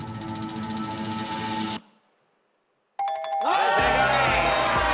はい正解。